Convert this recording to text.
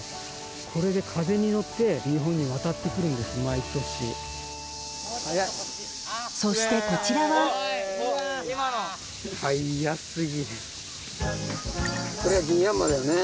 これで風に乗って日本に渡ってくるんです毎年そしてこちらは速すぎるこれはギンヤンマだよね